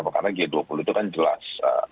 karena g dua puluh itu kan jelas